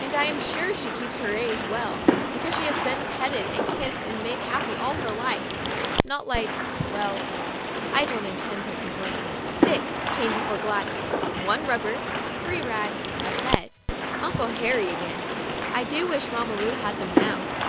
And I'm sure she keeps her age well, because she has been petted and kissed and made happy all her life; not like — well, I don't intend to complain. Six came before Gladys — one rubber, three rag, a set — Uncle Harry again! I do wish Mamma Lu had them now.